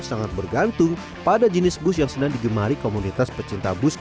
sangat bergantung pada jenis bus yang sedang digemari komunitas pecinta bus